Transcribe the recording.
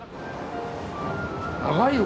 長いよ